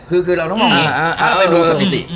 คือเราต้องมองอย่างนี้ถ้าไปดูสถิติ